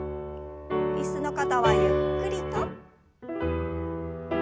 椅子の方はゆっくりと。